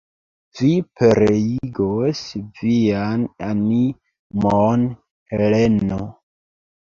Vi pereigos vian animon, Heleno!